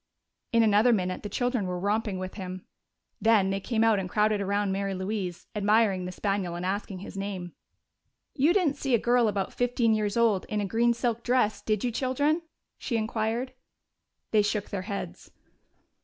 In another minute the children were romping with him. Then they came out and crowded around Mary Louise, admiring the spaniel and asking his name. "You didn't see a girl about fifteen years old in a green silk dress, did you, children?" she inquired. They shook their heads.